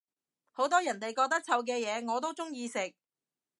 好多人哋覺得臭嘅嘢我都鍾意食